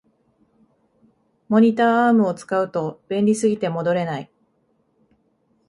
モニターアームを使うと便利すぎて戻れない